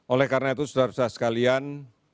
oleh karena itu saudara saudara sekalian